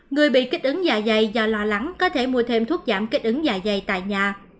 người bị kích ứng dạ dày do loa lắng có thể mua thêm thuốc giảm kích ứng dạ dày tại nhà